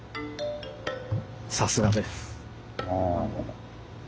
さすがです。